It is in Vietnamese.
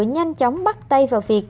nhanh chóng bắt tay vào việc